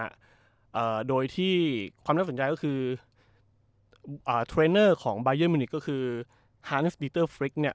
อ่าโดยที่ความน่าสนใจก็คืออ่าของก็คือเนี่ย